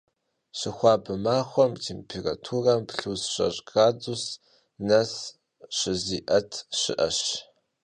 Şıxuabe maxuem têmpêraturam plüs şeş' gradus nes şızi'et şı'eş.